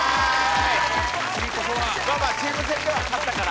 チーム戦では勝ったから。